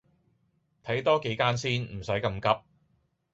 睇多幾間先，唔洗咁急